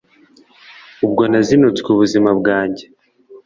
ubwo nazinutswe ubuzima bwanjye